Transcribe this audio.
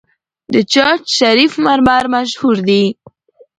د چشت شریف مرمر مشهور دي